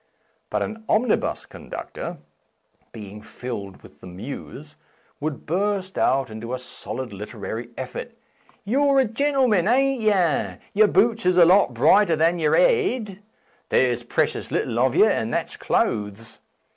But an omnibus conductor (being filled with the Muse) would burst out into a snid literary effort :" You're a gen'leman, aren't yer ... yer boots is a lot brighter than yer 'ed ... there's precious little of yer, and that's clothes